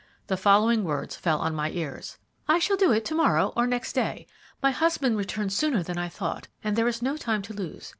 The following words fell on my ears: "I shall do it to morrow or next day. My husband returns sooner than I thought, and there is no time to lose.